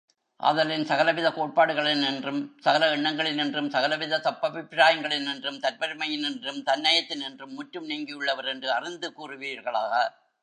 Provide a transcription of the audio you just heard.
ஆதலின் சகலவித கோட்பாடுகளினின்றும் சகல எண்ணங்களினின்றும் சகலவித தப்பபிப்பராயங்களினின்றும் தற்பெருமையினின்றும் தன்னயத்தினின்றும் முற்றும் நீங்கியுள்ளவர் என்று அறிந்து கூறுவீர்களாக.